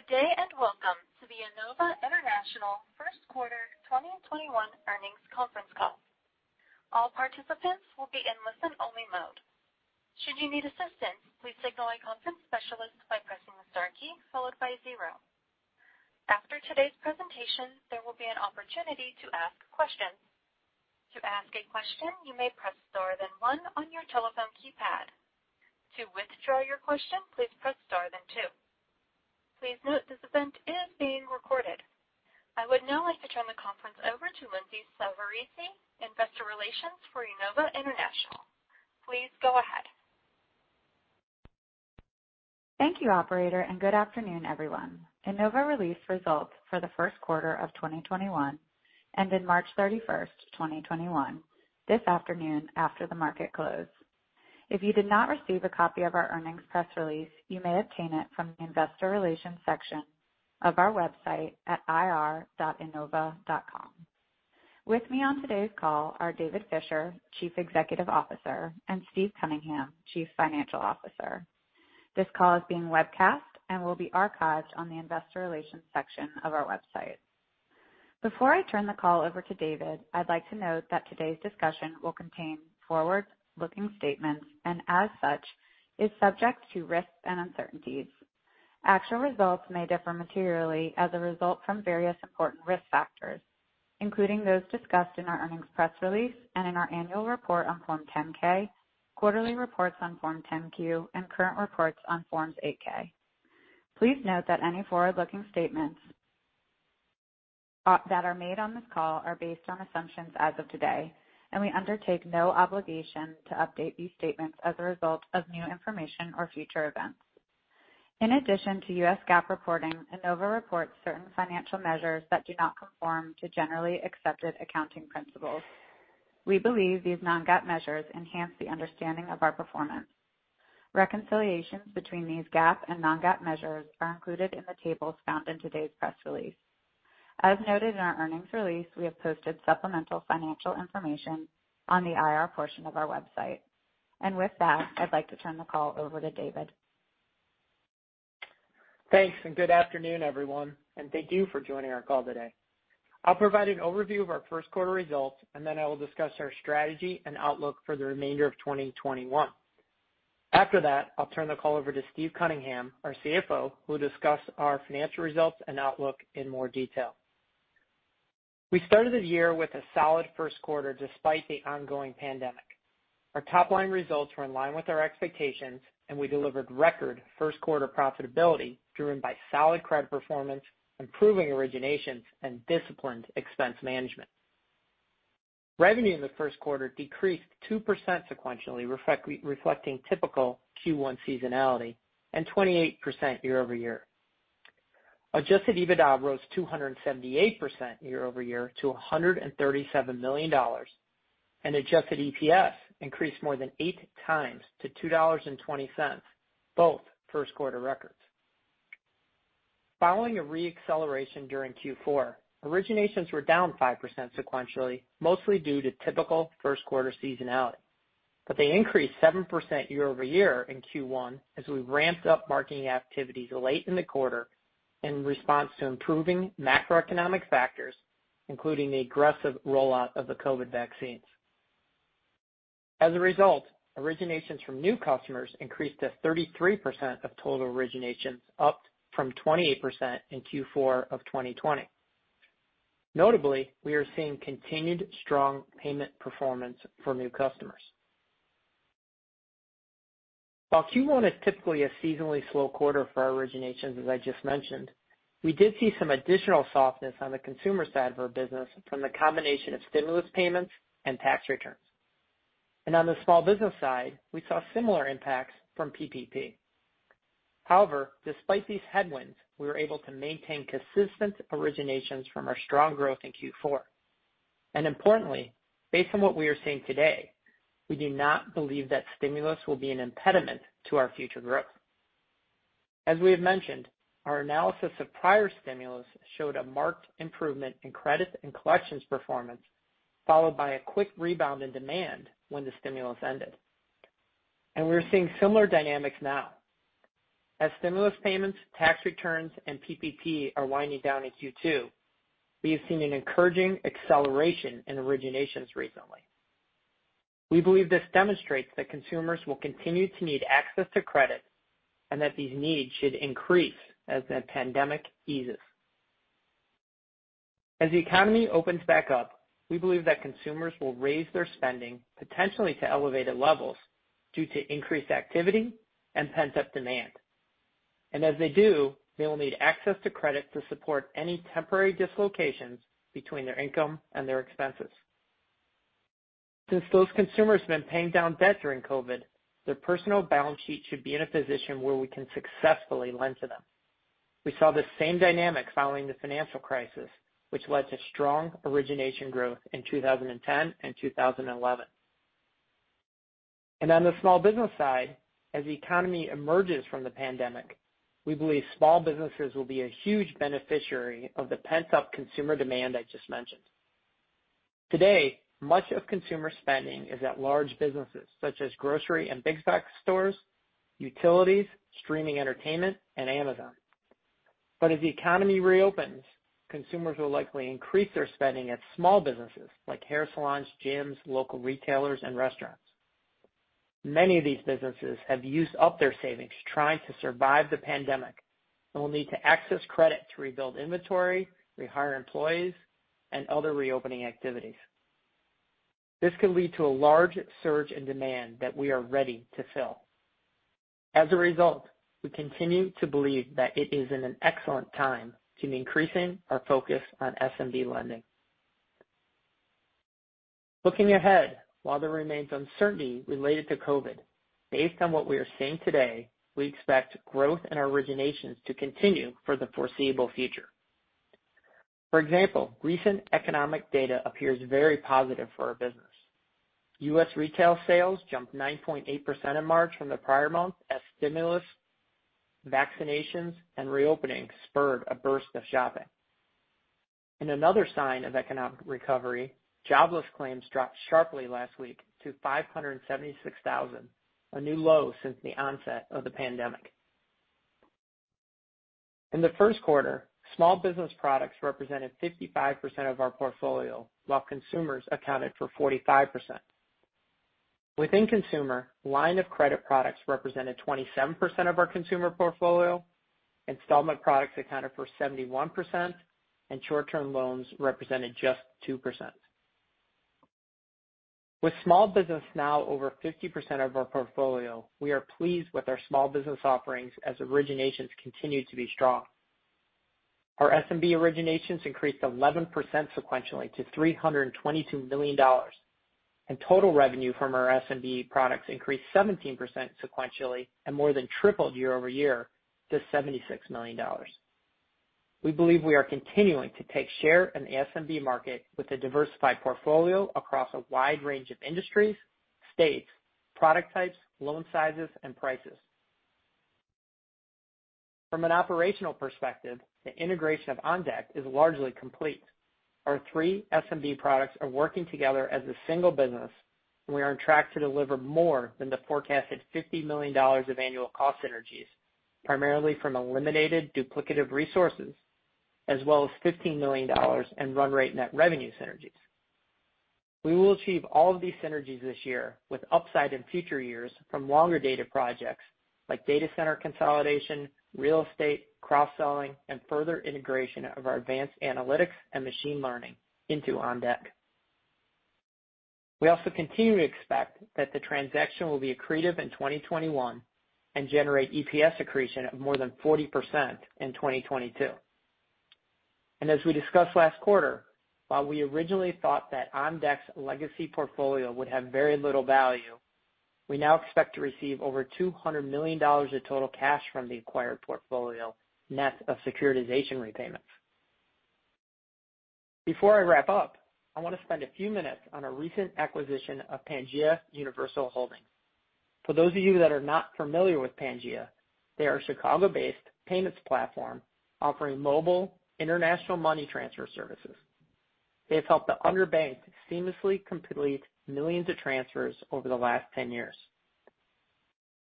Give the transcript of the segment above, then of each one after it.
Good day, welcome to the Enova International first quarter 2021 earnings conference call. All participants will be in listen-only mode. Should you need assistance, please signal a conference specialist by pressing the star key followed by zero. After today's presentation, there will be an opportunity to ask questions. To ask a question, you may press star, then one on your telephone keypad. To withdraw your question, please press star, then two. Please note this event is being recorded. I would now like to turn the conference over to Lindsay Savarese, investor relations for Enova International. Please go ahead. Thank you, operator, and good afternoon, everyone. Enova released results for the first quarter of 2021, ended March 31st, 2021, this afternoon after the market closed. If you did not receive a copy of our earnings press release, you may obtain it from the Investor Relations section of our website at ir.enova.com. With me on today's call are David Fisher, Chief Executive Officer, and Steve Cunningham, Chief Financial Officer. This call is being webcast and will be archived on the investor relations section of our website. Before I turn the call over to David, I'd like to note that today's discussion will contain forward-looking statements, and as such, is subject to risks and uncertainties. Actual results may differ materially as a result from various important risk factors, including those discussed in our earnings press release and in our annual report on Form 10-K, quarterly reports on Form 10-Q, and current reports on Form 8-K. Please note that any forward-looking statements that are made on this call are based on assumptions as of today, and we undertake no obligation to update these statements as a result of new information or future events. In addition to U.S. GAAP reporting, Enova reports certain financial measures that do not conform to generally accepted accounting principles. We believe these non-GAAP measures enhance the understanding of our performance. Reconciliations between these GAAP and non-GAAP measures are included in the tables found in today's press release. As noted in our earnings release, we have posted supplemental financial information on the IR portion of our website. With that, I'd like to turn the call over to David. Thanks. Good afternoon, everyone. Thank you for joining our call today. I'll provide an overview of our first quarter results. Then I will discuss our strategy and outlook for the remainder of 2021. After that, I'll turn the call over to Steve Cunningham, our CFO, who will discuss our financial results and outlook in more detail. We started the year with a solid first quarter despite the ongoing pandemic. Our top-line results were in line with our expectations. We delivered record first quarter profitability driven by solid credit performance, improving originations, and disciplined expense management. Revenue in the first quarter decreased 2% sequentially, reflecting typical Q1 seasonality and 28% year-over-year. Adjusted EBITDA rose 278% year-over-year to $137 million. Adjusted EPS increased more than eight times to $2.20, both first quarter records. Following a re-acceleration during Q4, originations were down 5% sequentially, mostly due to typical first quarter seasonality. They increased 7% year-over-year in Q1 as we ramped up marketing activities late in the quarter in response to improving macroeconomic factors, including the aggressive rollout of the COVID vaccines. As a result, originations from new customers increased to 33% of total originations, up from 28% in Q4 of 2020. Notably, we are seeing continued strong payment performance for new customers. While Q1 is typically a seasonally slow quarter for our originations, as I just mentioned, we did see some additional softness on the consumer side of our business from the combination of stimulus payments and tax returns. On the small business side, we saw similar impacts from PPP. However, despite these headwinds, we were able to maintain consistent originations from our strong growth in Q4. Importantly, based on what we are seeing today, we do not believe that stimulus will be an impediment to our future growth. As we have mentioned, our analysis of prior stimulus showed a marked improvement in credit and collections performance, followed by a quick rebound in demand when the stimulus ended. We're seeing similar dynamics now. As stimulus payments, tax returns, and PPP are winding down in Q2, we have seen an encouraging acceleration in originations recently. We believe this demonstrates that consumers will continue to need access to credit and that these needs should increase as the pandemic eases. As the economy opens back up, we believe that consumers will raise their spending potentially to elevated levels due to increased activity and pent-up demand. As they do, they will need access to credit to support any temporary dislocations between their income and their expenses. Since those consumers have been paying down debt during COVID, their personal balance sheet should be in a position where we can successfully lend to them. We saw the same dynamic following the financial crisis, which led to strong origination growth in 2010 and 2011. On the small business side, as the economy emerges from the pandemic, we believe small businesses will be a huge beneficiary of the pent-up consumer demand I just mentioned. Today, much of consumer spending is at large businesses such as grocery and big box stores, utilities, streaming entertainment, and Amazon. As the economy reopens, consumers will likely increase their spending at small businesses like hair salons, gyms, local retailers, and restaurants. Many of these businesses have used up their savings trying to survive the pandemic and will need to access credit to rebuild inventory, rehire employees, and other reopening activities. This could lead to a large surge in demand that we are ready to fill. As a result, we continue to believe that it is in an excellent time to increasing our focus on SMB lending. Looking ahead, while there remains uncertainty related to COVID, based on what we are seeing today, we expect growth in our originations to continue for the foreseeable future. For example, recent economic data appears very positive for our business. U.S. retail sales jumped 9.8% in March from the prior month as stimulus, vaccinations, and reopening spurred a burst of shopping. In another sign of economic recovery, jobless claims dropped sharply last week to 576,000, a new low since the onset of the pandemic. In the first quarter, small business products represented 55% of our portfolio, while consumers accounted for 45%. Within consumer, line of credit products represented 27% of our consumer portfolio, installment products accounted for 71%, and short-term loans represented just 2%. With small business now over 50% of our portfolio, we are pleased with our small business offerings as originations continue to be strong. Our SMB originations increased 11% sequentially to $322 million, and total revenue from our SMB products increased 17% sequentially and more than tripled year-over-year to $76 million. We believe we are continuing to take share in the SMB market with a diversified portfolio across a wide range of industries, states, product types, loan sizes, and prices. From an operational perspective, the integration of OnDeck is largely complete. Our three SMB products are working together as a single business, and we are on track to deliver more than the forecasted $50 million of annual cost synergies, primarily from eliminated duplicative resources, as well as $15 million in run rate net revenue synergies. We will achieve all of these synergies this year with upside in future years from longer-dated projects like data center consolidation, real estate, cross-selling, and further integration of our advanced analytics and machine learning into OnDeck. We also continue to expect that the transaction will be accretive in 2021 and generate EPS accretion of more than 40% in 2022. As we discussed last quarter, while we originally thought that OnDeck's legacy portfolio would have very little value, we now expect to receive over $200 million of total cash from the acquired portfolio, net of securitization repayments. Before I wrap up, I want to spend a few minutes on our recent acquisition of Pangea Universal Holdings. For those of you that are not familiar with Pangea, they are a Chicago-based payments platform offering mobile international money transfer services. They have helped the underbanked seamlessly complete millions of transfers over the last 10 years.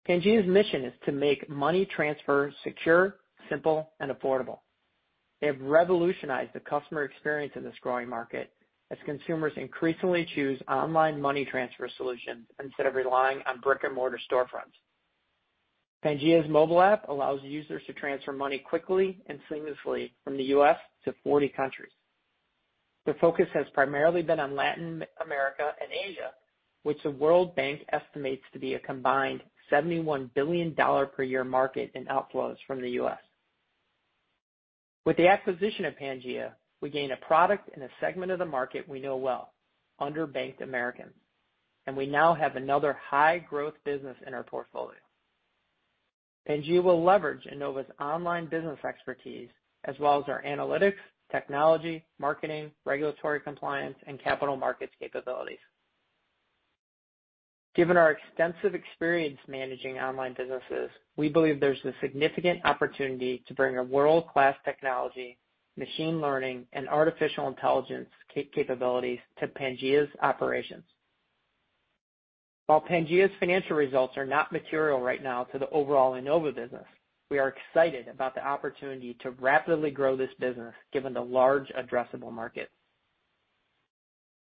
Pangea's mission is to make money transfer secure, simple, and affordable. They have revolutionized the customer experience in this growing market as consumers increasingly choose online money transfer solutions instead of relying on brick-and-mortar storefronts. Pangea's mobile app allows users to transfer money quickly and seamlessly from the U.S. to 40 countries. Their focus has primarily been on Latin America and Asia, which the World Bank estimates to be a combined $71 billion per year market in outflows from the U.S. With the acquisition of Pangea, we gain a product in a segment of the market we know well, underbanked Americans, and we now have another high-growth business in our portfolio. Pangea will leverage Enova's online business expertise as well as our analytics, technology, marketing, regulatory compliance, and capital markets capabilities. Given our extensive experience managing online businesses, we believe there's a significant opportunity to bring a world-class technology, machine learning, and artificial intelligence capabilities to Pangea's operations. While Pangea's financial results are not material right now to the overall Enova business, we are excited about the opportunity to rapidly grow this business given the large addressable market.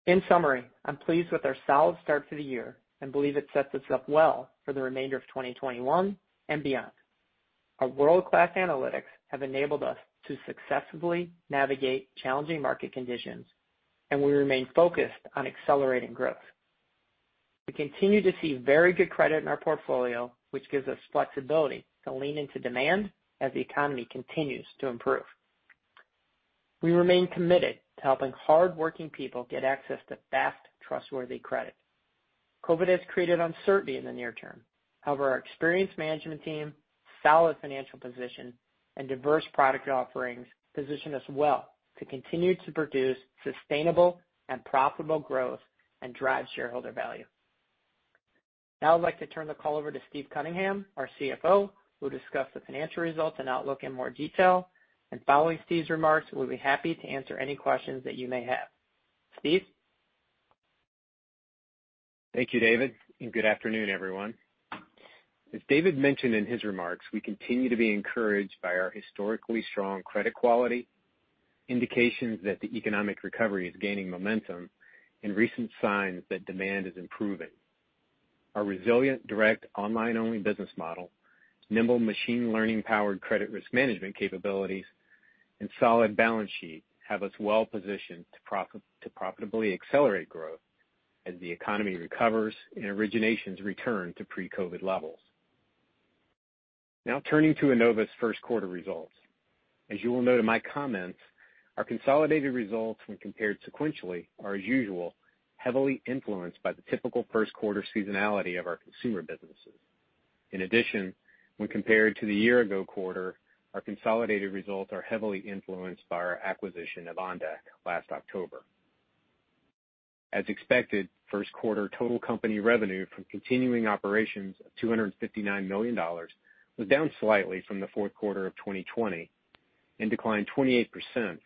In summary, I'm pleased with our solid start to the year and believe it sets us up well for the remainder of 2021 and beyond. Our world-class analytics have enabled us to successfully navigate challenging market conditions, and we remain focused on accelerating growth. We continue to see very good credit in our portfolio, which gives us flexibility to lean into demand as the economy continues to improve. We remain committed to helping hardworking people get access to fast, trustworthy credit. COVID has created uncertainty in the near term. However, our experienced management team, solid financial position, and diverse product offerings position us well to continue to produce sustainable and profitable growth and drive shareholder value. Now I'd like to turn the call over to Steve Cunningham, our CFO, who will discuss the financial results and outlook in more detail. Following Steve's remarks, we'll be happy to answer any questions that you may have. Steve? Thank you, David, and good afternoon, everyone. As David mentioned in his remarks, we continue to be encouraged by our historically strong credit quality, indications that the economic recovery is gaining momentum, and recent signs that demand is improving. Our resilient direct online-only business model, nimble machine learning-powered credit risk management capabilities, and solid balance sheet have us well-positioned to profitably accelerate growth as the economy recovers and originations return to pre-COVID levels. Turning to Enova's first quarter results. As you will note in my comments, our consolidated results when compared sequentially are, as usual, heavily influenced by the typical first quarter seasonality of our consumer businesses. In addition, when compared to the year-ago quarter, our consolidated results are heavily influenced by our acquisition of OnDeck last October. As expected, first quarter total company revenue from continuing operations of $259 million was down slightly from the fourth quarter of 2020 and declined 28%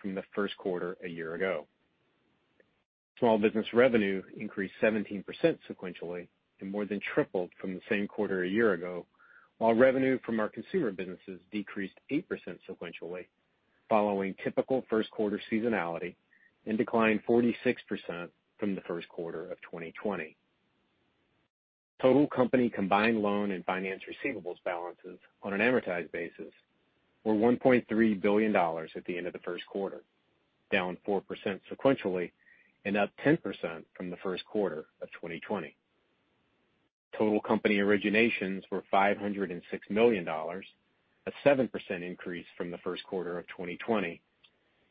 from the first quarter a year ago. Small business revenue increased 17% sequentially and more than tripled from the same quarter a year ago, while revenue from our consumer businesses decreased 8% sequentially following typical first quarter seasonality and declined 46% from the first quarter of 2020. Total company combined loan and finance receivables balances on an amortized basis were $1.3 billion at the end of the first quarter, down 4% sequentially and up 10% from the first quarter of 2020.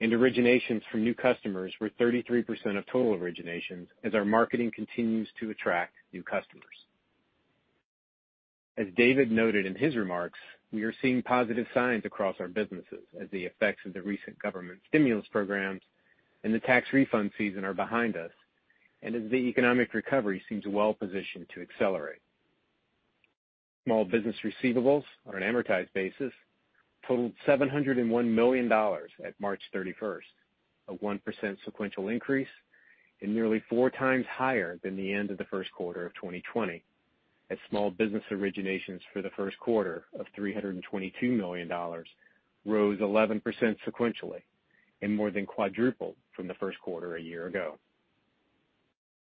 Originations from new customers were 33% of total originations as our marketing continues to attract new customers. As David noted in his remarks, we are seeing positive signs across our businesses as the effects of the recent government stimulus programs and the tax refund season are behind us and as the economic recovery seems well positioned to accelerate. Small business receivables on an amortized basis totaled $701 million at March 31st, a 1% sequential increase and nearly four times higher than the end of the first quarter of 2020, as small business originations for the first quarter of $322 million rose 11% sequentially and more than quadrupled from the first quarter a year ago.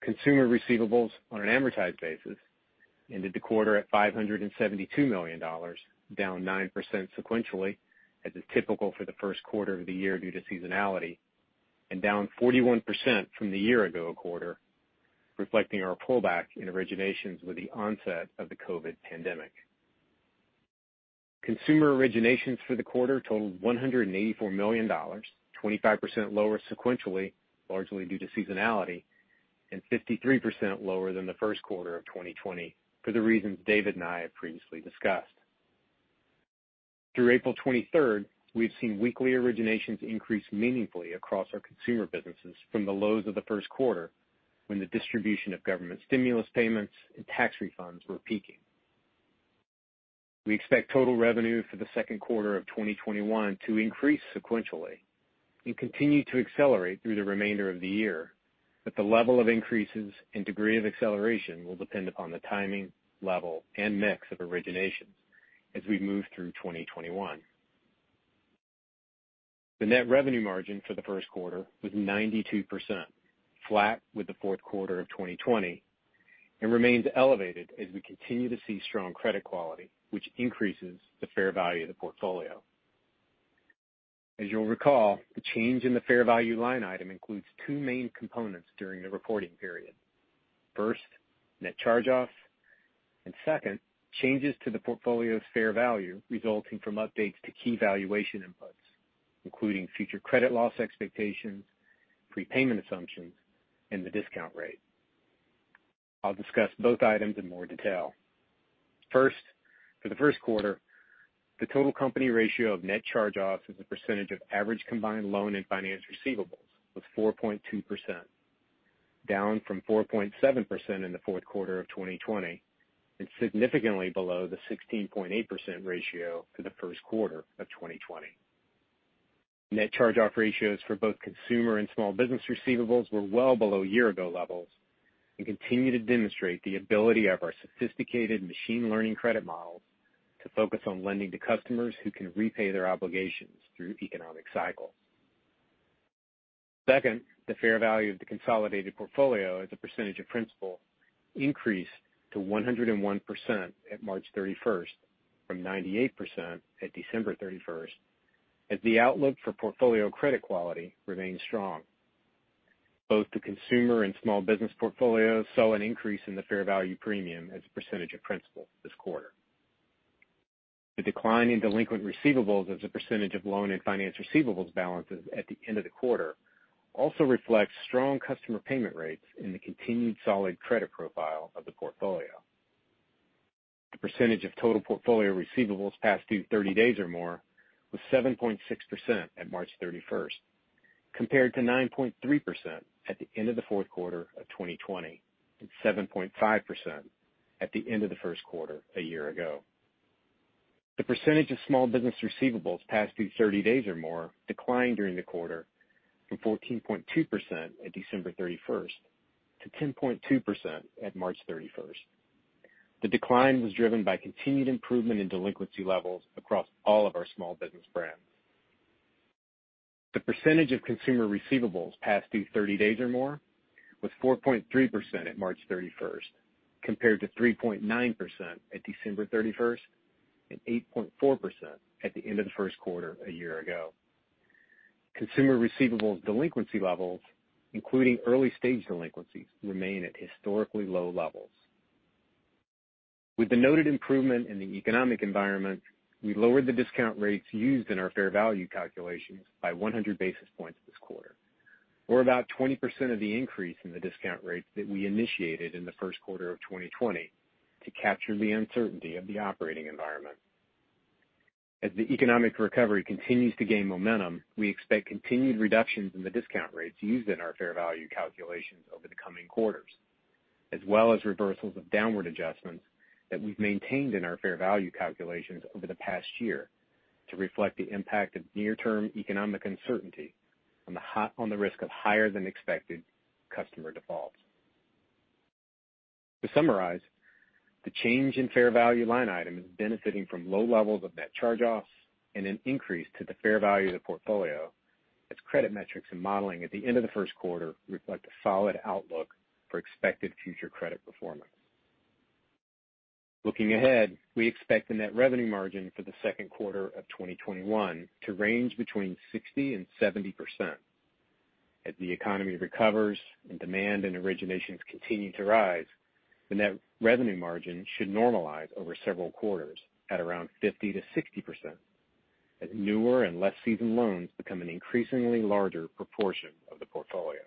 Consumer receivables on an amortized basis ended the quarter at $572 million, down 9% sequentially, as is typical for the first quarter of the year due to seasonality, and down 41% from the year-ago quarter, reflecting our pullback in originations with the onset of the COVID pandemic. Consumer originations for the quarter totaled $184 million, 25% lower sequentially, largely due to seasonality, and 53% lower than the first quarter of 2020 for the reasons David and I have previously discussed. Through April 23rd, we've seen weekly originations increase meaningfully across our consumer businesses from the lows of the first quarter, when the distribution of government stimulus payments and tax refunds were peaking. We expect total revenue for the second quarter of 2021 to increase sequentially and continue to accelerate through the remainder of the year, but the level of increases and degree of acceleration will depend upon the timing, level, and mix of originations as we move through 2021. The net revenue margin for the first quarter was 92%, flat with the fourth quarter of 2020, and remains elevated as we continue to see strong credit quality, which increases the fair value of the portfolio. As you'll recall, the change in the fair value line item includes two main components during the reporting period. First, net charge-offs, and second, changes to the portfolio's fair value resulting from updates to key valuation inputs, including future credit loss expectations, prepayment assumptions, and the discount rate. I'll discuss both items in more detail. First, for the first quarter, the total company ratio of net charge-offs as a percentage of average combined loan and finance receivables was 4.2%, down from 4.7% in the fourth quarter of 2020, and significantly below the 16.8% ratio for the first quarter of 2020. Net charge-off ratios for both consumer and small business receivables were well below year-ago levels and continue to demonstrate the ability of our sophisticated machine learning credit models to focus on lending to customers who can repay their obligations through economic cycles. Second, the fair value of the consolidated portfolio as a percentage of principal increased to 101% at March 31st from 98% at December 31st as the outlook for portfolio credit quality remains strong. Both the consumer and small business portfolios saw an increase in the fair value premium as a percentage of principal this quarter. The decline in delinquent receivables as a percentage of loan and finance receivables balances at the end of the quarter also reflects strong customer payment rates and the continued solid credit profile of the portfolio. The percentage of total portfolio receivables past due 30 days or more was 7.6% at March 31st, compared to 9.3% at the end of the fourth quarter of 2020, and 7.5% at the end of the first quarter a year ago. The percentage of small business receivables past due 30 days or more declined during the quarter from 14.2% at December 31st to 10.2% at March 31st. The decline was driven by continued improvement in delinquency levels across all of our small business brands. The percentage of consumer receivables past due 30 days or more was 4.3% at March 31st, compared to 3.9% at December 31st and 8.4% at the end of the first quarter a year ago. Consumer receivables delinquency levels, including early stage delinquencies, remain at historically low levels. With the noted improvement in the economic environment, we lowered the discount rates used in our fair value calculations by 100 basis points this quarter, or about 20% of the increase in the discount rate that we initiated in the first quarter of 2020 to capture the uncertainty of the operating environment. As the economic recovery continues to gain momentum, we expect continued reductions in the discount rates used in our fair value calculations over the coming quarters, as well as reversals of downward adjustments that we've maintained in our fair value calculations over the past year to reflect the impact of near-term economic uncertainty on the risk of higher than expected customer defaults. To summarize, the change in fair value line item is benefiting from low levels of net charge-offs and an increase to the fair value of the portfolio as credit metrics and modeling at the end of the first quarter reflect a solid outlook for expected future credit performance. Looking ahead, we expect the net revenue margin for the second quarter of 2021 to range between 60% and 70%. As the economy recovers and demand and originations continue to rise, the net revenue margin should normalize over several quarters at around 50%-60% as newer and less seasoned loans become an increasingly larger proportion of the portfolio.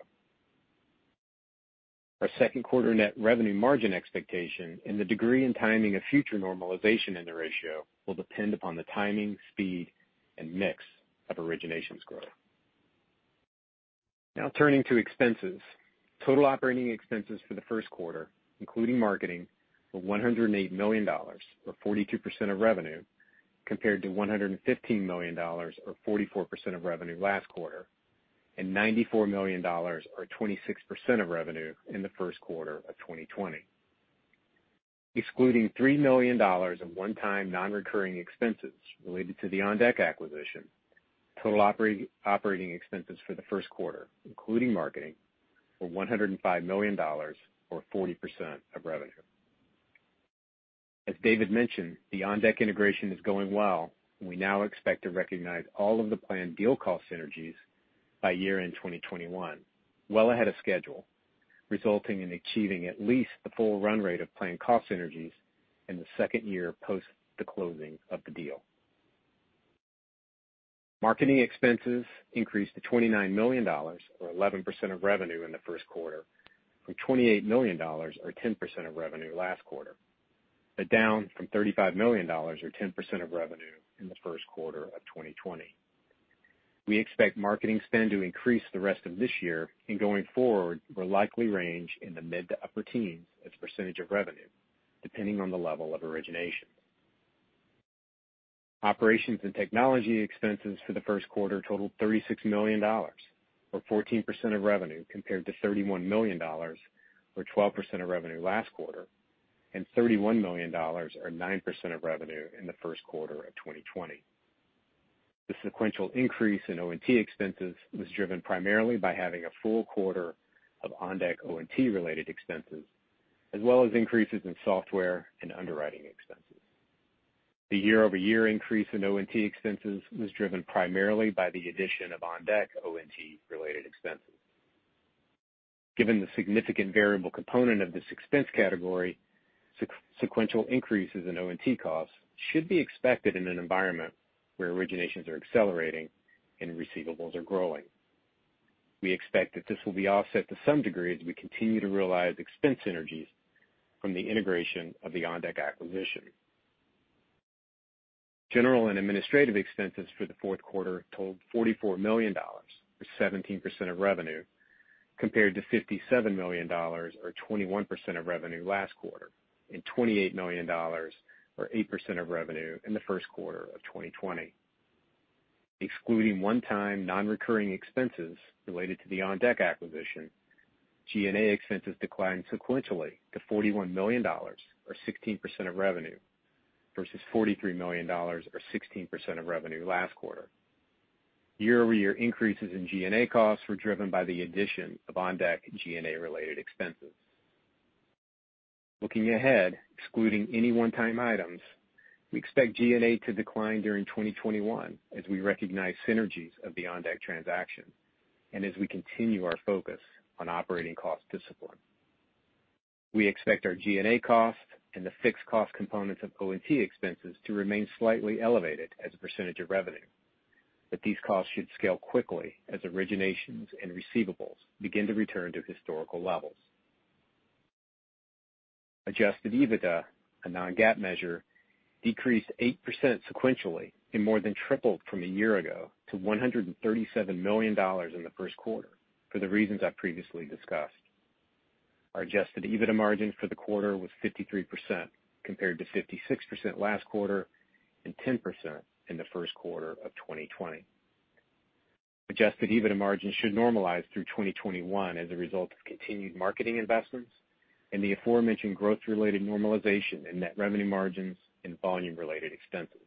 Our second quarter net revenue margin expectation and the degree and timing of future normalization in the ratio will depend upon the timing, speed, and mix of originations growth. Turning to expenses. Total operating expenses for the first quarter, including marketing, were $108 million, or 42% of revenue, compared to $115 million, or 44% of revenue last quarter, and $94 million, or 26% of revenue in the first quarter of 2020. Excluding $3 million in one-time non-recurring expenses related to the OnDeck acquisition, total operating expenses for the first quarter, including marketing, were $105 million, or 40% of revenue. As David mentioned, the OnDeck integration is going well, and we now expect to recognize all of the planned deal cost synergies by year-end 2021, well ahead of schedule, resulting in achieving at least the full run rate of planned cost synergies in the second year post the closing of the deal. Marketing expenses increased to $29 million, or 11% of revenue in the first quarter from $28 million, or 10% of revenue last quarter, but down from $35 million, or 10% of revenue in the first quarter of 2020. We expect marketing spend to increase the rest of this year and going forward will likely range in the mid to upper teens as a percentage of revenue, depending on the level of origination. Operations and technology expenses for the first quarter totaled $36 million, or 14% of revenue, compared to $31 million, or 12% of revenue last quarter, and $31 million, or 9% of revenue in the first quarter of 2020. The sequential increase in O&T expenses was driven primarily by having a full quarter of OnDeck O&T related expenses, as well as increases in software and underwriting expenses. The year-over-year increase in O&T expenses was driven primarily by the addition of OnDeck O&T related expenses. Given the significant variable component of this expense category, sequential increases in O&T costs should be expected in an environment where originations are accelerating and receivables are growing. We expect that this will be offset to some degree as we continue to realize expense synergies from the integration of the OnDeck acquisition. General and administrative expenses for the fourth quarter totaled $44 million, or 17% of revenue, compared to $57 million, or 21% of revenue last quarter, and $28 million, or 8% of revenue in the first quarter of 2020. Excluding one-time non-recurring expenses related to the OnDeck acquisition, G&A expenses declined sequentially to $41 million, or 16% of revenue, versus $43 million or 16% of revenue last quarter. Year-over-year increases in G&A costs were driven by the addition of OnDeck G&A related expenses. Looking ahead, excluding any one-time items, we expect G&A to decline during 2021 as we recognize synergies of the OnDeck transaction and as we continue our focus on operating cost discipline. We expect our G&A costs and the fixed cost components of O&T expenses to remain slightly elevated as a percentage of revenue. These costs should scale quickly as originations and receivables begin to return to historical levels. Adjusted EBITDA, a non-GAAP measure, decreased 8% sequentially and more than tripled from a year ago to $137 million in the first quarter for the reasons I previously discussed. Our adjusted EBITDA margin for the quarter was 53% compared to 56% last quarter and 10% in the first quarter of 2020. Adjusted EBITDA margin should normalize through 2021 as a result of continued marketing investments and the aforementioned growth-related normalization in net revenue margins and volume-related expenses.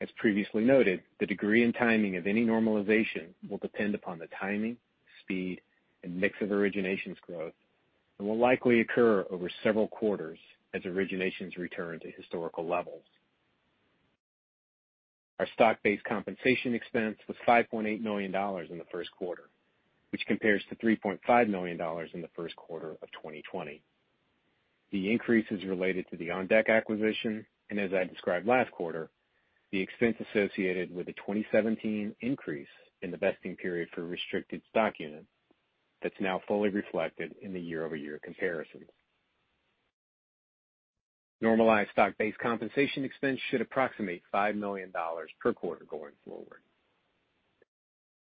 As previously noted, the degree and timing of any normalization will depend upon the timing, speed, and mix of originations growth and will likely occur over several quarters as originations return to historical levels. Our stock-based compensation expense was $5.8 million in the first quarter, which compares to $3.5 million in the first quarter of 2020. The increase is related to the OnDeck acquisition and, as I described last quarter, the expense associated with the 2017 increase in the vesting period for restricted stock units that's now fully reflected in the year-over-year comparison. Normalized stock-based compensation expense should approximate $5 million per quarter going forward.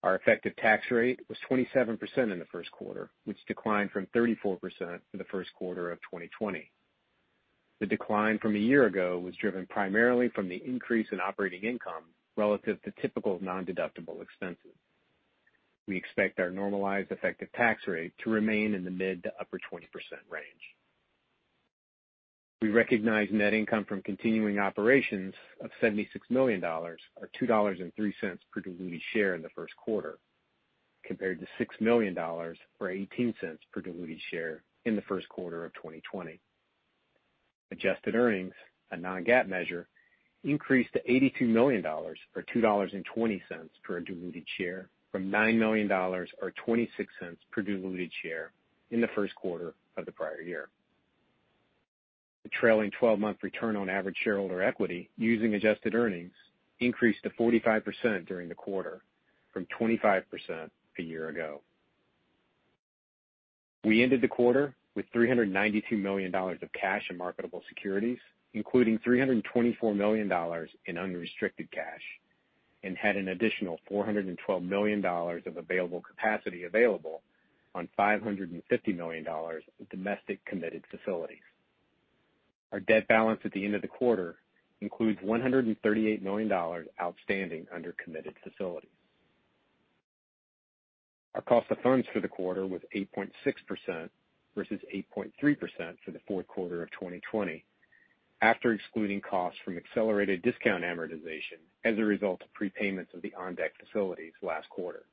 Our effective tax rate was 27% in the first quarter, which declined from 34% for the first quarter of 2020. The decline from a year ago was driven primarily from the increase in operating income relative to typical nondeductible expenses. We expect our normalized effective tax rate to remain in the mid to upper 20% range. We recognized net income from continuing operations of $76 million, or $2.03 per diluted share in the first quarter, compared to $6 million, or $0.18 per diluted share in the first quarter of 2020. Adjusted earnings, a non-GAAP measure, increased to $82 million, or $2.20 per diluted share from $9 million, or $0.26 per diluted share in the first quarter of the prior year. The trailing 12-month return on average shareholder equity using Adjusted earnings increased to 45% during the quarter from 25% a year ago. We ended the quarter with $392 million of cash and marketable securities, including $324 million in unrestricted cash, and had an additional $412 million of available capacity on $550 million of domestic committed facilities. Our debt balance at the end of the quarter includes $138 million outstanding under committed facilities. Our cost of funds for the quarter was 8.6% versus 8.3% for the fourth quarter of 2020, after excluding costs from accelerated discount amortization as a result of prepayments of the OnDeck facilities last quarter.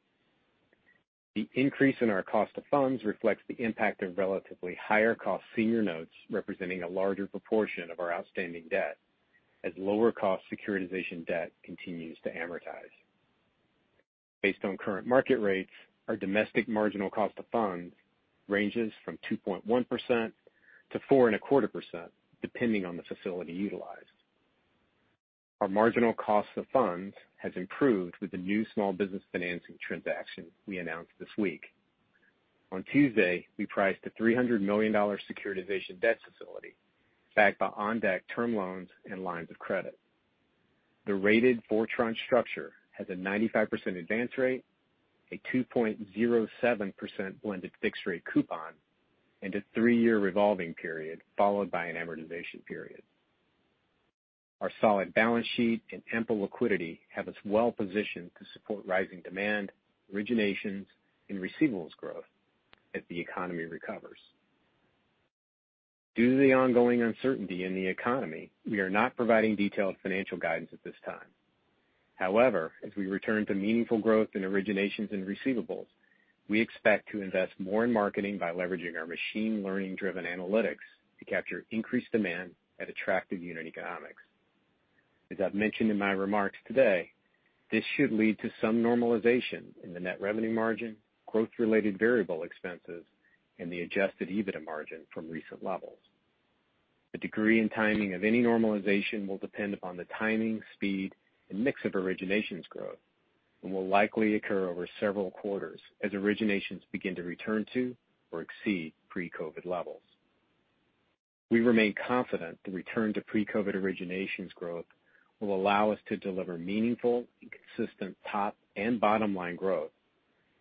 The increase in our cost of funds reflects the impact of relatively higher-cost senior notes representing a larger proportion of our outstanding debt as lower-cost securitization debt continues to amortize. Based on current market rates, our domestic marginal cost of funds ranges from 2.1%-4.25%, depending on the facility utilized. Our marginal cost of funds has improved with the new small business financing transaction we announced this week. On Tuesday, we priced a $300 million securitization debt facility backed by OnDeck term loans and lines of credit. The rated four-tranche structure has a 95% advance rate, a 2.07% blended fixed-rate coupon, and a three-year revolving period followed by an amortization period. Our solid balance sheet and ample liquidity have us well positioned to support rising demand, originations, and receivables growth as the economy recovers. Due to the ongoing uncertainty in the economy, we are not providing detailed financial guidance at this time. However, as we return to meaningful growth in originations and receivables, we expect to invest more in marketing by leveraging our machine learning-driven analytics to capture increased demand at attractive unit economics. As I've mentioned in my remarks today, this should lead to some normalization in the net revenue margin, growth-related variable expenses, and the adjusted EBITDA margin from recent levels. The degree and timing of any normalization will depend upon the timing, speed, and mix of originations growth and will likely occur over several quarters as originations begin to return to or exceed pre-COVID levels. We remain confident the return to pre-COVID originations growth will allow us to deliver meaningful and consistent top and bottom-line growth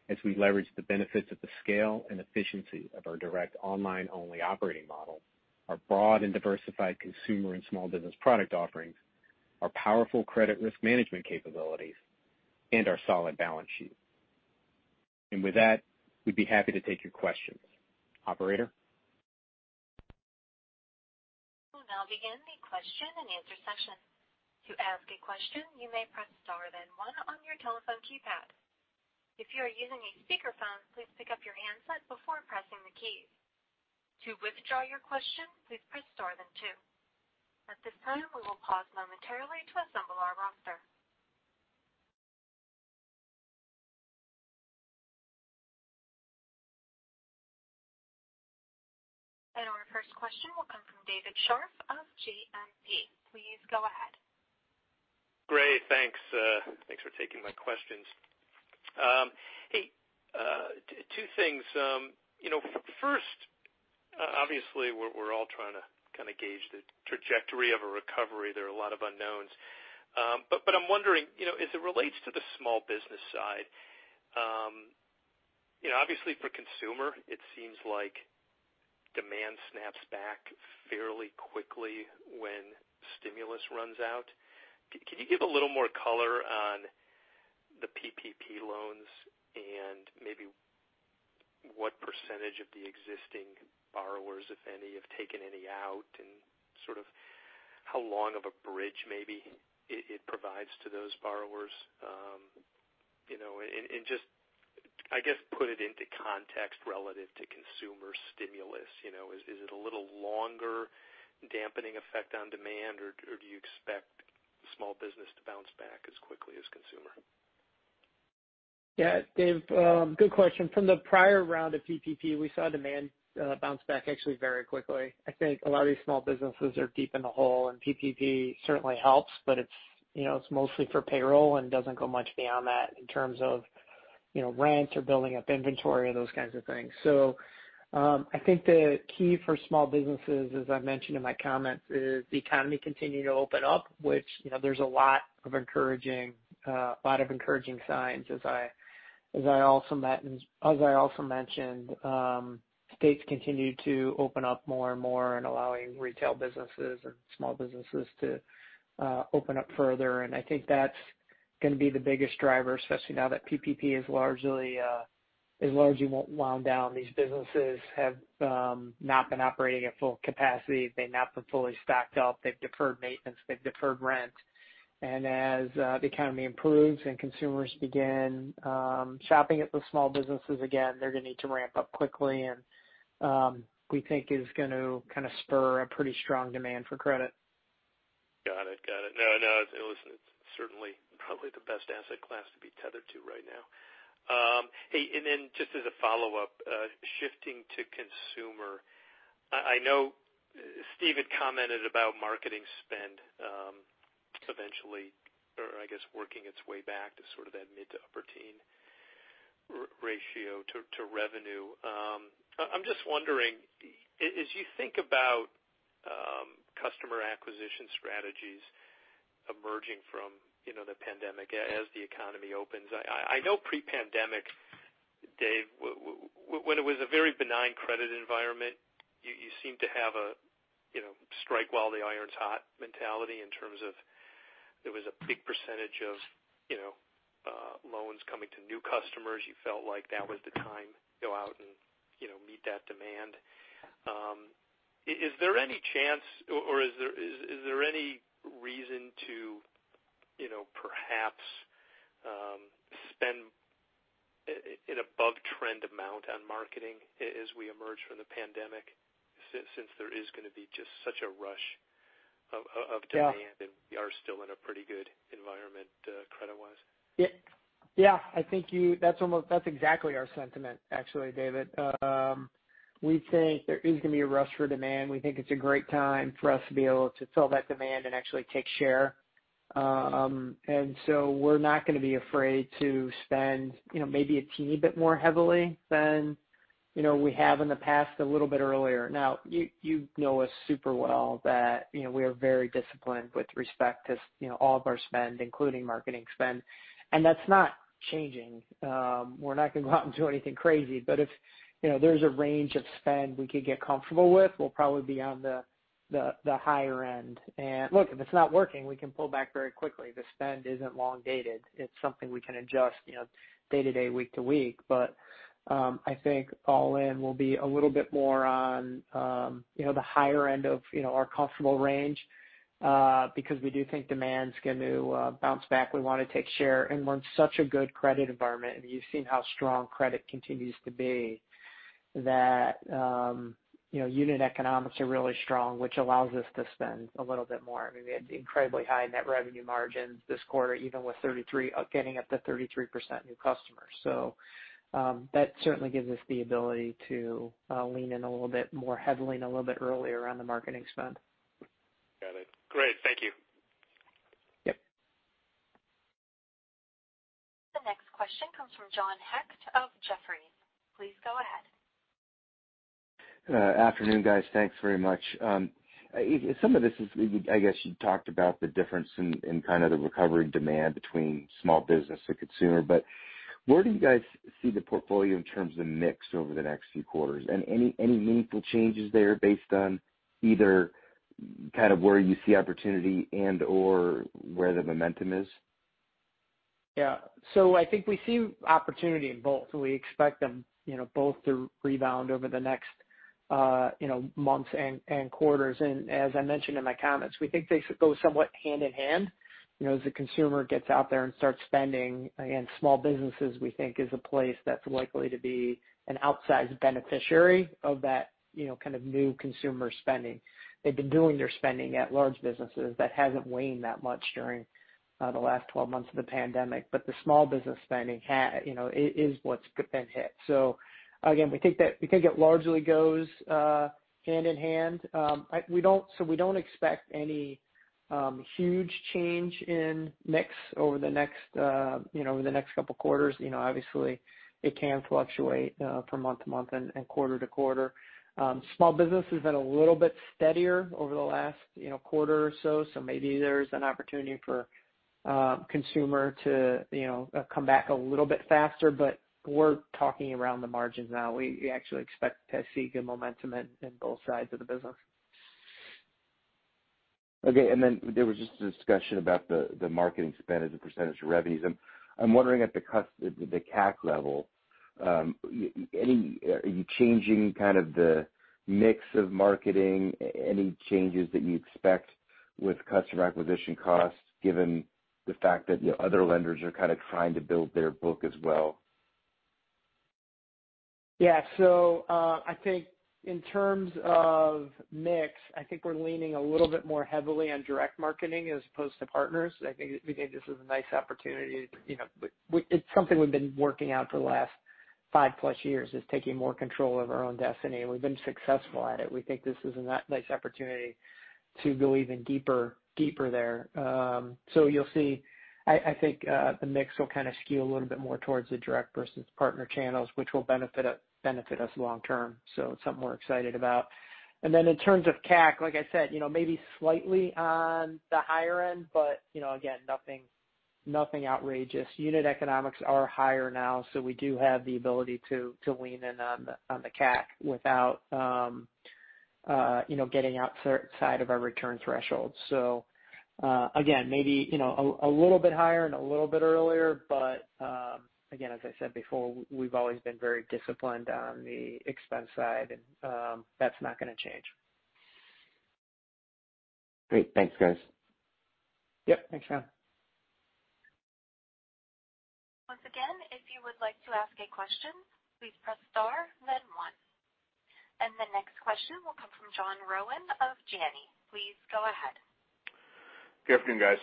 as we leverage the benefits of the scale and efficiency of our direct online-only operating model, our broad and diversified consumer and small business product offerings, our powerful credit risk management capabilities, and our solid balance sheet. With that, we'd be happy to take your questions. Operator? We'll now begin the question-and-answer session. To ask a question, you may press star then one on your telephone keypad. If you are using a speakerphone, please pick up your handset before pressing the keys. To withdraw your question, please press star then two. At this time, we will pause momentarily to assemble our roster. First question will come from David Scharf of JMP. Please go ahead. Great. Thanks. Thanks for taking my questions. Hey, two things. First, obviously, we're all trying to gauge the trajectory of a recovery. There are a lot of unknowns. I'm wondering as it relates to the small business side. Obviously, for consumer, it seems like demand snaps back fairly quickly when stimulus runs out. Can you give a little more color on the PPP loans and maybe what percentage of the existing borrowers, if any, have taken any out, and how long of a bridge maybe it provides to those borrowers? Just, I guess, put it into context relative to consumer stimulus. Is it a little longer dampening effect on demand, or do you expect small business to bounce back as quickly as consumer? Yeah. Dave, good question. From the prior round of PPP, we saw demand bounce back actually very quickly. I think a lot of these small businesses are deep in the hole, and PPP certainly helps, but it's mostly for payroll and doesn't go much beyond that in terms of rent or building up inventory or those kinds of things. I think the key for small businesses, as I mentioned in my comments, is the economy continuing to open up. There's a lot of encouraging signs, as I also mentioned. States continue to open up more and more and allowing retail businesses and small businesses to open up further. I think that's going to be the biggest driver, especially now that PPP is largely wound down. These businesses have not been operating at full capacity. They've not been fully stocked up. They've deferred maintenance. They've deferred rent. As the economy improves and consumers begin shopping at those small businesses again, they're going to need to ramp up quickly, and we think it is going to kind of spur a pretty strong demand for credit. Got it. No, listen, it's certainly probably the best asset class to be tethered to right now. Just as a follow-up, shifting to consumer. I know Steve commented about marketing spend eventually, or I guess, working its way back to sort of that mid to upper teen ratio to revenue. I'm just wondering, as you think about customer acquisition strategies emerging from the pandemic as the economy opens. I know pre-pandemic, Dave, when it was a very benign credit environment, you seem to have a strike-while-the-iron-is-hot mentality in terms of there was a big percentage of loans coming to new customers. You felt like that was the time to go out and meet that demand. Is there any chance, or is there any reason to perhaps spend an above-trend amount on marketing as we emerge from the pandemic, since there is going to be just such a rush of demand? Yeah We are still in a pretty good environment credit-wise? Yeah. I think that's exactly our sentiment, actually, David. We think there is going to be a rush for demand. We think it's a great time for us to be able to fill that demand and actually take share. We're not going to be afraid to spend maybe a teeny bit more heavily than we have in the past a little bit earlier. Now, you know us super well that we are very disciplined with respect to all of our spend, including marketing spend. That's not changing. We're not going to go out and do anything crazy. If there's a range of spend we could get comfortable with, we'll probably be on the higher end. Look, if it's not working, we can pull back very quickly. The spend isn't long-dated. It's something we can adjust day to day, week to week. I think all in, we'll be a little bit more on the higher end of our comfortable range because we do think demand's going to bounce back. We want to take share. We're in such a good credit environment, and you've seen how strong credit continues to be that unit economics are really strong, which allows us to spend a little bit more. I mean, we had incredibly high net revenue margins this quarter, even getting up to 33% new customers. That certainly gives us the ability to lean in a little bit more heavily and a little bit earlier on the marketing spend. Got it. Great. Thank you. Yep. The next question comes from John Hecht of Jefferies. Please go ahead. Afternoon, guys. Thanks very much. Some of this is, I guess you talked about the difference in kind of the recovery demand between small business to consumer. Where do you guys see the portfolio in terms of mix over the next few quarters? Any meaningful changes there based on either kind of where you see opportunity and/or where the momentum is? Yeah. I think we see opportunity in both. We expect them both to rebound over the next months and quarters. As I mentioned in my comments, we think they go somewhat hand-in-hand. As the consumer gets out there and starts spending again, small businesses, we think, is a place that's likely to be an outsized beneficiary of that kind of new consumer spending. They've been doing their spending at large businesses. That hasn't waned that much during the last 12 months of the COVID pandemic. The small business spending is what's been hit. Again, we think it largely goes hand-in-hand. We don't expect any huge change in mix over the next couple of quarters. Obviously, it can fluctuate from month to month and quarter to quarter. Small business has been a little bit steadier over the last quarter or so. Maybe there's an opportunity for consumer to come back a little bit faster. We're talking around the margins now. We actually expect to see good momentum in both sides of the business. Okay. There was just a discussion about the marketing spend as a percentage of revenues. I'm wondering at the CAC level, are you changing kind of the mix of marketing? Any changes that you expect with customer acquisition costs, given the fact that other lenders are kind of trying to build their book as well? I think in terms of mix, I think we're leaning a little bit more heavily on direct marketing as opposed to partners. I think this is a nice opportunity. It's something we've been working out for the last five-plus years, is taking more control of our own destiny, and we've been successful at it. We think this is a nice opportunity to go even deeper there. You'll see, I think the mix will kind of skew a little bit more towards the direct versus partner channels, which will benefit us long term. It's something we're excited about. In terms of CAC, like I said, maybe slightly on the higher end, but again, nothing outrageous. Unit economics are higher now, so we do have the ability to lean in on the CAC without getting outside of our return threshold. Again, maybe a little bit higher and a little bit earlier. Again, as I said before, we've always been very disciplined on the expense side, and that's not going to change. Great. Thanks, guys. Yep. Thanks, John. The next question will come from John Rowan of Janney. Please go ahead. Good afternoon, guys.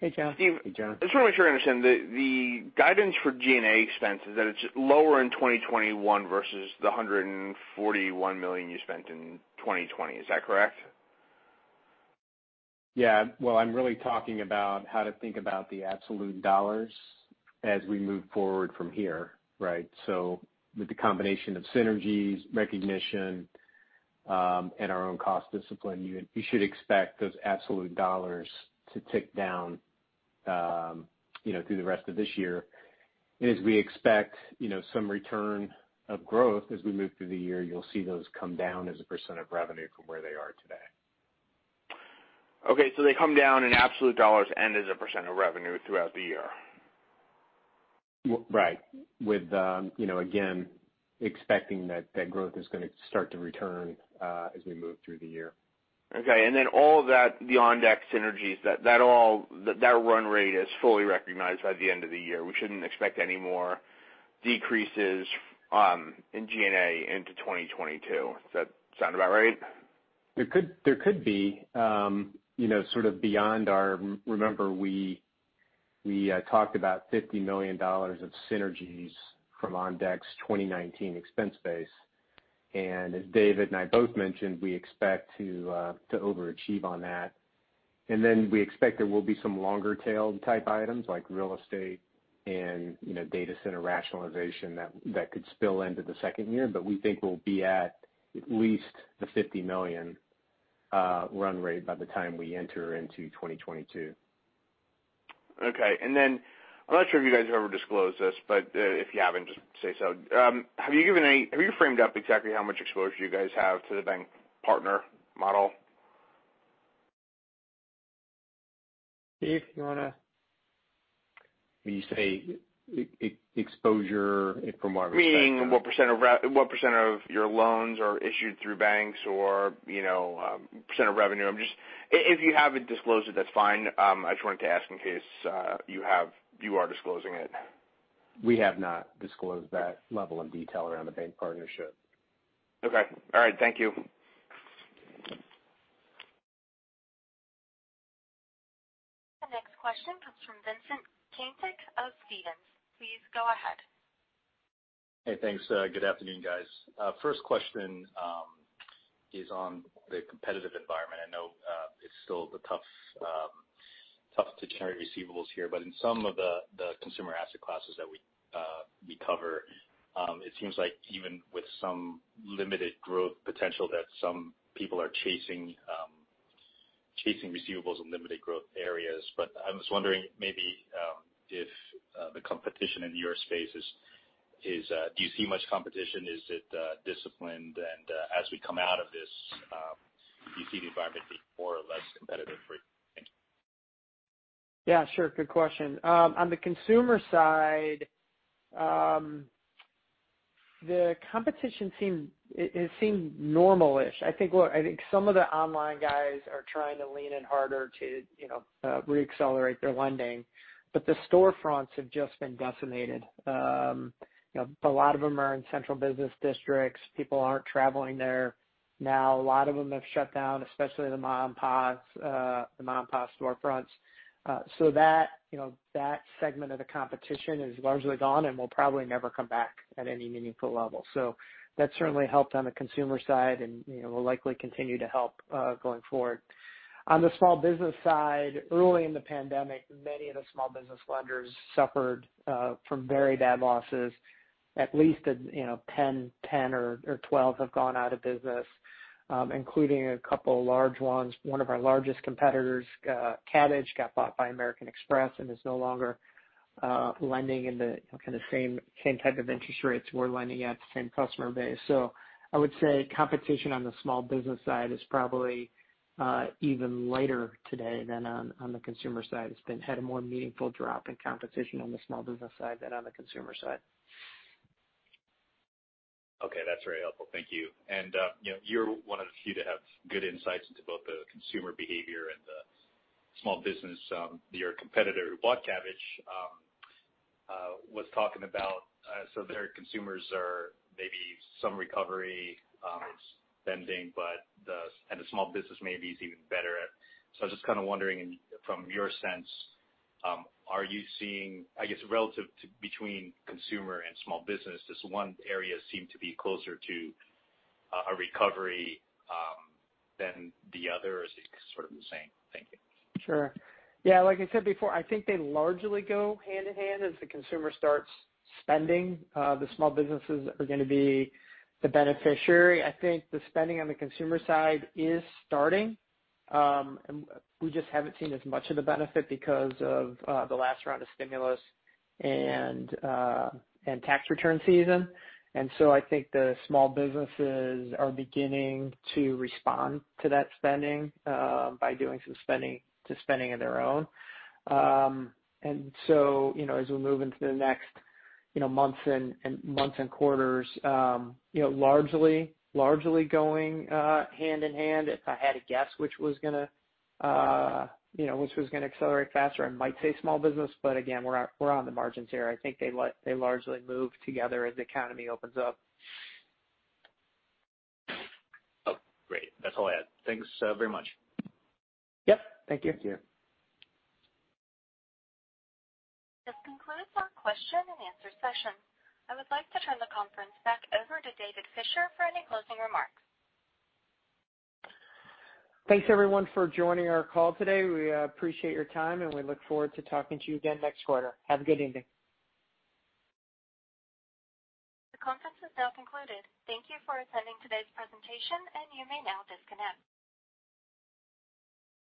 Hey, John. Hey, John. Just want to make sure I understand. The guidance for G&A expense is that it's lower in 2021 versus the $141 million you spent in 2020. Is that correct? Yeah. Well, I'm really talking about how to think about the absolute dollars as we move forward from here. Right. With the combination of synergies, recognition, and our own cost discipline, you should expect those absolute dollars to tick down through the rest of this year. As we expect some return of growth as we move through the year, you'll see those come down as a percent of revenue from where they are today. Okay. They come down in absolute dollars and as a percent of revenue throughout the year. Right. With again, expecting that growth is going to start to return as we move through the year. Okay. All that, the OnDeck synergies, that run rate is fully recognized by the end of the year. We shouldn't expect any more decreases in G&A into 2022. Does that sound about right? There could be sort of beyond remember we talked about $50 million of synergies from OnDeck's 2019 expense base. As David and I both mentioned, we expect to overachieve on that. We expect there will be some longer-tail type items like real estate and data center rationalization that could spill into the second year. We think we'll be at least the $50 million run rate by the time we enter into 2022. Okay. I'm not sure if you guys have ever disclosed this, but if you haven't, just say so. Have you framed up exactly how much exposure you guys have to the bank partner model? Steve. When you say exposure from our perspective Meaning what percent of your loans are issued through banks or percent of revenue. If you haven't disclosed it, that's fine. I just wanted to ask in case you are disclosing it. We have not disclosed that level of detail around the bank partnership. Okay. All right. Thank you. The next question comes from Vincent Caintic of Stephens. Please go ahead. Hey, thanks. Good afternoon, guys. First question is on the competitive environment. I know it's still tough to carry receivables here. In some of the consumer asset classes that we cover, it seems like even with some limited growth potential, that some people are chasing receivables in limited growth areas. I was wondering maybe if the competition in your space, do you see much competition? Is it disciplined? As we come out of this, do you see the environment being more or less competitive for you? Thank you. Yeah, sure. Good question. On the consumer side, the competition, it seemed normal-ish. I think some of the online guys are trying to lean in harder to re-accelerate their lending. The storefronts have just been decimated. A lot of them are in central business districts. People aren't traveling there now. A lot of them have shut down, especially the mom-and-pops storefronts. That segment of the competition is largely gone and will probably never come back at any meaningful level. That certainly helped on the consumer side and will likely continue to help going forward. On the small business side, early in the pandemic, many of the small business lenders suffered from very bad losses. At least 10 or 12 have gone out of business, including a couple large ones. One of our largest competitors, Kabbage, got bought by American Express and is no longer lending in the same type of interest rates we're lending at, the same customer base. I would say competition on the small business side is probably even lighter today than on the consumer side. It's had a more meaningful drop in competition on the small business side than on the consumer side. Okay, that's very helpful. Thank you. You're one of the few to have good insights into both the consumer behavior and the small business. Your competitor who bought Kabbage was talking about their consumers are maybe some recovery spending, and the small business maybe is even better at. I was just kind of wondering from your sense, are you seeing, I guess, relative between consumer and small business, does one area seem to be closer to a recovery than the other, or is it sort of the same? Thank you. Sure. Yeah, like I said before, I think they largely go hand-in-hand. As the consumer starts spending, the small businesses are going to be the beneficiary. I think the spending on the consumer side is starting. We just haven't seen as much of the benefit because of the last round of stimulus and tax return season. I think the small businesses are beginning to respond to that spending by doing some spending of their own. As we move into the next months and quarters, largely going hand-in-hand. If I had to guess which was going to accelerate faster, I might say small business. Again, we're on the margins here. I think they largely move together as the economy opens up. Oh, great. That's all I had. Thanks very much. Yep. Thank you. Thank you. This concludes our question-and-answer session. I would like to turn the conference back over to David Fisher for any closing remarks. Thanks everyone for joining our call today. We appreciate your time, and we look forward to talking to you again next quarter. Have a good evening. The conference is now concluded. Thank you for attending today's presentation, and you may now disconnect.